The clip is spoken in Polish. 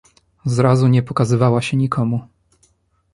Zrazu nie pokazywała się nikomu.